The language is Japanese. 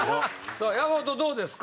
さあ山本どうですか？